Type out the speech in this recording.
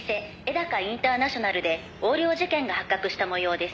高インターナショナルで横領事件が発覚した模様です」